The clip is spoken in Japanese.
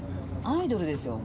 アイドルですよ。